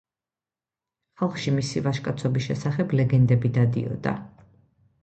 ხალხში მისი ვაჟკაცობის შესახებ ლეგენდები დადიოდა.